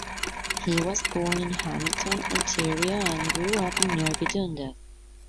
He was born in Hamilton, Ontario and grew up in nearby Dundas.